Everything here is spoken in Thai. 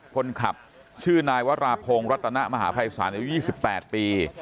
คนขับชื่อนายวราพงศ์รัตนมหาภัยศาลอายุ๒๘ปี